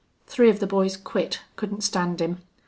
Three of the boys quit. Couldn't stand him.